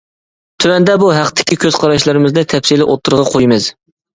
تۆۋەندە بۇ ھەقتىكى كۆز قاراشلىرىمىزنى تەپسىلىي ئوتتۇرىغا قويىمىز.